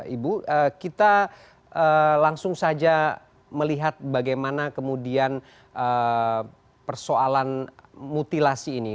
ibu kita langsung saja melihat bagaimana kemudian persoalan mutilasi ini